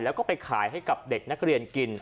แล้วก็ไปขายให้กับเด็กนักเรียนกิน